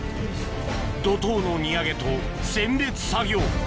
怒濤の荷揚げと選別作業